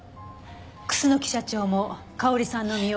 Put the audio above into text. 楠木社長も香織さんの身を。